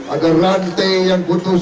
ada rantai yang butuhkan